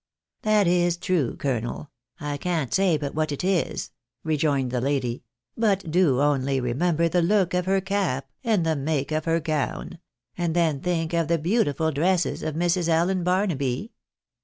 " That is true, too, colonel ; I can't say but what it is," rejoined the lady ;" but do only remember the look of her cap, and the make of her gown ! and then think of the beautiful dresses of Mrs. Allen Barnaby